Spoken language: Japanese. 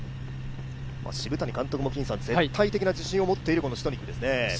澁谷監督も絶対的な自信を持っているシトニックですね。